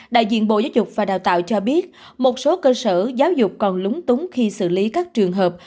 đại diện bộ giáo dục và đào tạo cho biết một số cơ sở giáo dục còn lúng túng khi xử lý các trường hợp